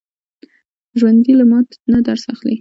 ژوندي له ماتو نه درس اخلي